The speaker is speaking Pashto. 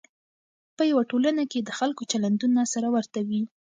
په یوه ټولنه کې د خلکو چلندونه سره ورته وي.